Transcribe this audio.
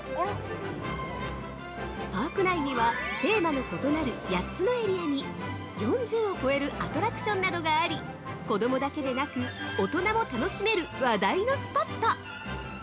パーク内には、テーマの異なる８つのエリアに、４０を超えるアトラクションなどがあり子供だけでなく大人も楽しめる話題のスポット。